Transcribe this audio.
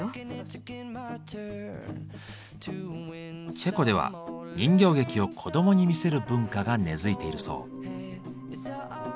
チェコでは人形劇を子どもに見せる文化が根付いているそう。